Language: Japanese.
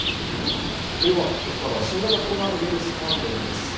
ここからは新型コロナウイルス関連です。